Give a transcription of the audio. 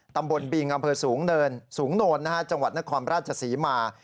ตำบลบิงอำเภอสูงโนรจังหวัดนครราชศรีมาร์